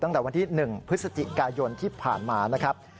ตั้งแต่วันที่๑พฤศจิกายนที่ผ่านมานะครับ